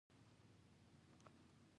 غزني د افغانستان د طبعي سیسټم توازن ساتي.